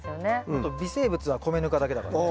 あと微生物は米ぬかだけだからね。